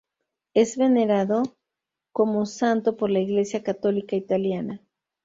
Es venerado como santo por la Iglesia Católica italiana.